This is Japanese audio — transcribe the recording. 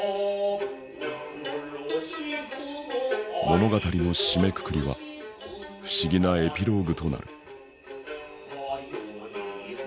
物語の締めくくりは不思議なエピローグとなる。